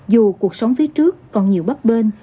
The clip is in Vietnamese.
dù cuộc sống phía trước còn nhiều bất bên